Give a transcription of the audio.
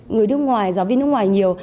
người nước ngoài giáo viên nước ngoài nhiều